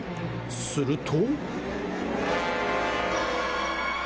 すると。